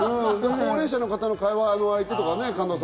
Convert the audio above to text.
高齢者の方の会話の相手とかね。